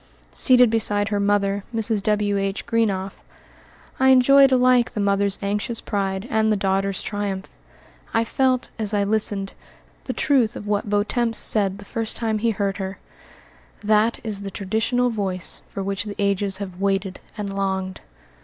Seated beside her mother, Mrs. W.H. Greenough, I enjoyed alike the mother's anxious pride and the daughter's triumph. I felt, as I listened, the truth of what Vieuxtemps said the first time he heard her, "That is the traditional voice for which the ages have waited and longed."